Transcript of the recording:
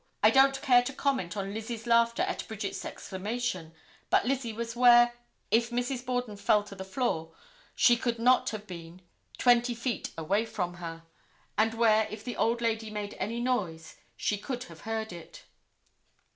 I don't care to comment on Lizzie's laughter at Bridget's exclamation, but Lizzie was where, if Mrs. Borden fell to the floor, she could not have been twenty feet away from her, and where, if the old lady made any noise, she could have heard it.